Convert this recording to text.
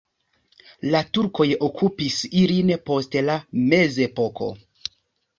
La turkoj okupis ilin post la mezepoko.